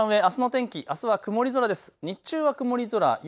いちばん上、あすの天気、あすは曇り空です。